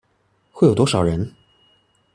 會有多少人？